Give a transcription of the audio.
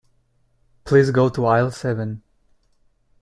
Please go to aisle seven.